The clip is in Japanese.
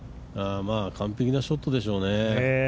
完璧なショットでしょうね。